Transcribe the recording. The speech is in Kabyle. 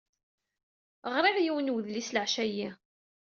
Ɣriɣ yiwen n wedlis leɛca-ayyi.